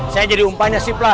saya jadi umpannya sip lah